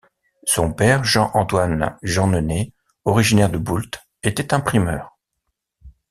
Son père, Jean Antoine Jeanneney originaire de Boult était imprimeur.